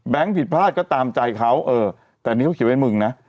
แบงก์ผิดพลาดก็ตามใจเขาแต่นี่เขาเขียนไว้มึงนะ